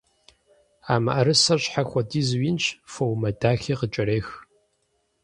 А мыӀэрысэр щхьэ хуэдизу инщ, фоумэ дахи къыкӀэрех.